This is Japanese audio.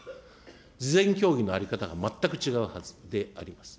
事前協議の在り方が全く違うはずであります。